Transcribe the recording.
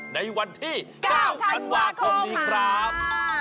ในวันที่๙ธันวาคมนี้ครับ